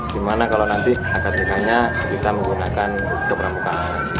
gimana kalau nanti akad nikahnya kita menggunakan untuk pramukaan